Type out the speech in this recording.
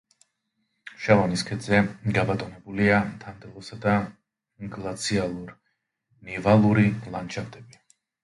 შავანის ქედზე გაბატონებულია მთა-მდელოსა და გლაციალურ-ნივალური ლანდშაფტები.